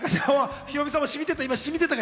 ヒロミさんも、染みてたかな？